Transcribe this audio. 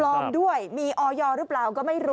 ด้วยมีออยหรือเปล่าก็ไม่รู้